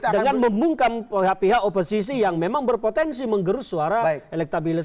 dengan membungkam pihak pihak oposisi yang memang berpotensi menggerus suara elektabilitas